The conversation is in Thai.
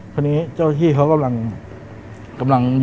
คราวนี้เจ้าที่เขากำลัง